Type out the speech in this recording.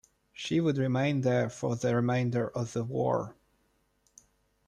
She would remain there for the remainder of the war.